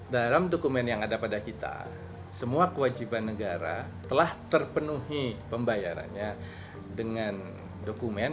dalam dokumen yang ada pada kita semua kewajiban negara telah terpenuhi pembayarannya dengan dokumen